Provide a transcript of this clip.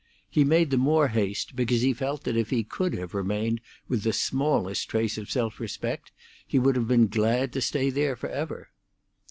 He made the more haste because he felt that if he could have remained with the smallest trace of self respect, he would have been glad to stay there for ever.